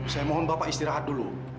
saya mohon bapak istirahat dulu